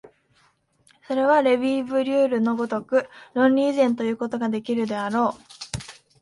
それはレヴィ・ブリュールの如く論理以前ということができるであろう。